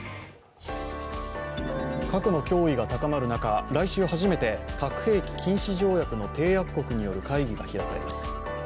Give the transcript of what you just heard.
核の脅威が高まる中、来週初めて核兵器禁止条約の締約国による会議が開かれます。